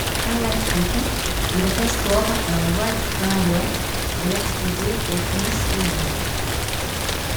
Par la suite il restaure un Wright Flyer pour l'exposer au Smithsonian.